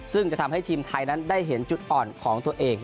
ซึ่งจะทำให้ทีมไทยนั้นได้เห็นจุดอ่อนของตัวเอง